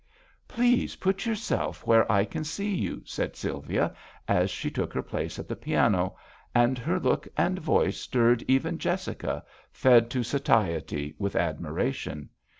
." Please put yourself where I can see you," said Sylvia, as she took her place at the piano, and her look and voice stirred even Jessica, fed to satiety with admi ration.